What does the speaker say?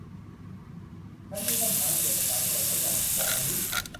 ฉันมีปัญหาเกี่ยวกับการเปิดใช้งานคูปองอันนี้